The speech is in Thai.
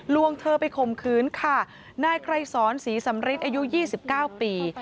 วงเธอไปข่มขืนค่ะนายไกรสอนศรีสำริทอายุ๒๙ปี